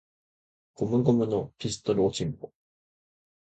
ゴムゴムのピストル!!!